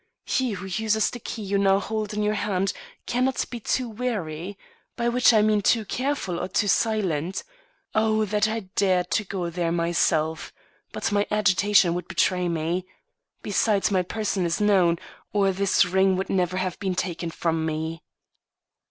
He who uses the key you now hold in your hand cannot be too wary; by which I mean too careful or too silent. Oh, that I dared to go there myself! But my agitation would betray me. Besides, my person is known, or this ring would never have been taken from me.